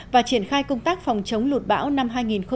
và triển khai công tác phòng chống lụt bão năm hai nghìn một mươi bảy